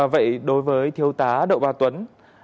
vậy đối với thiếu tá đậu ba tuấn